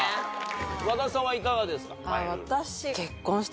和田さんはいかがですか？